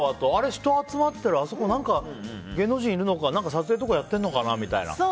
人が集まってるあそこ何か芸能人いるのか撮影とかやってるのかなみたいな？